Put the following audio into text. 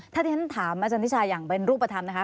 ถ้าที่ฉันถามอาจารย์นิชาอย่างเป็นรูปธรรมนะคะ